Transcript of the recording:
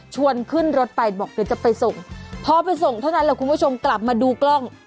ชวนขึ้นรถไปบอกเดี๋ยวจะไปส่งพอไปส่งเท่านั้นแหละคุณผู้ชมกลับมาดูกล้อง